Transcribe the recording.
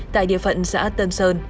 tại địa phận xã tân sơn